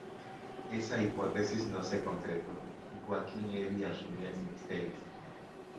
Esa hipótesis no se concretó y Joaquim Levy asumió el ministerio.